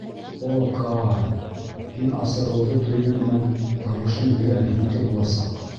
О, Каа, һин асығыуҙы тойоу менән... табышым гелән һинеке буласаҡ.